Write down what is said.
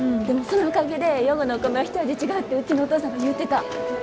でもそのおかげで余呉のお米は一味違うってうちのお父さんが言うてた。